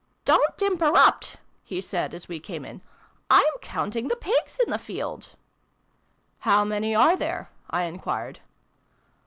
"Don't imperrupt!" he said as we came in. "I'm counting the Pigs in the held !"" How many are there ?" I enquired.